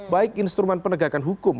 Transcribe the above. baik instrumen penegakan hukum